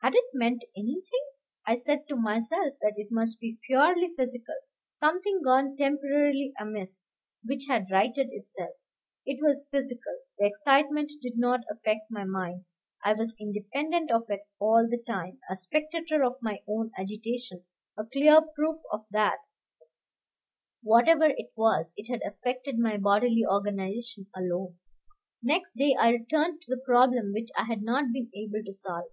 Had it meant anything? I said to myself that it must be purely physical, something gone temporarily amiss, which had righted itself. It was physical; the excitement did not affect my mind. I was independent of it all the time, a spectator of my own agitation, a clear proof that, whatever it was, it had affected my bodily organization alone. Next day I returned to the problem which I had not been able to solve.